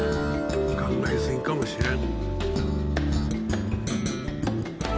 考えすぎかもしれん。